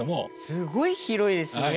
すごい広いですね！